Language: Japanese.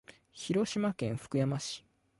広島県福山市